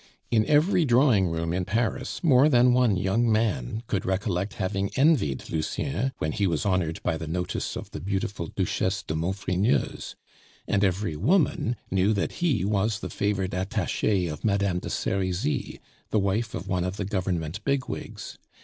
In every drawing room in Paris more than one young man could recollect having envied Lucien when he was honored by the notice of the beautiful Duchesse de Maufrigneuse; and every woman knew that he was the favored attache of Madame de Serizy, the wife of one of the Government bigwigs.